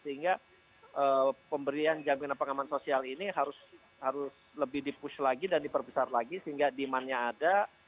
sehingga pemberian jaminan pengaman sosial ini harus lebih di push lagi dan diperbesar lagi sehingga demandnya ada